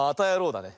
だね。